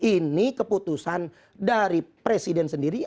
ini keputusan dari presiden sendiri